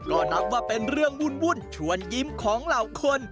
ก็นับว่าเป็นเรื่องวุ่นชวนยิ้มของเหล่าคน